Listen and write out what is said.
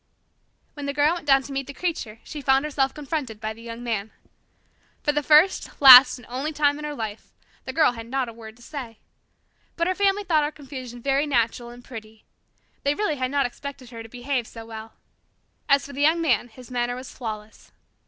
When the Girl went down to meet the Creature she found herself confronted by the Young Man. For the first, last, and only time in her life, the Girl had not a word to say. But her family thought her confusion very natural and pretty. They really had not expected her to behave so well. As for the Young Man, his manner was flawless.